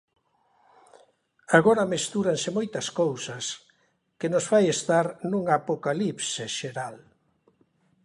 Agora mestúranse moitas cousas que nos fai estar nunha apocalipse xeral.